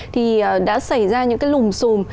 thì đã xảy ra những cái lùm xùm